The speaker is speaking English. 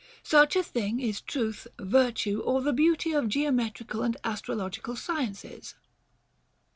Such a thing is truth, vir tue, or the beauty of geometrical and astrological sciences ;* Odyss.